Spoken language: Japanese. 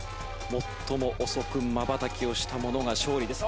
最も遅くまばたきをした者が勝利です。